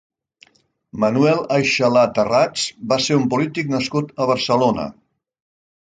Manuel Ayxelà Tarrats va ser un polític nascut a Barcelona.